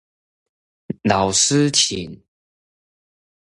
老師請